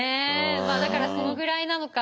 まあだからそのぐらいなのか。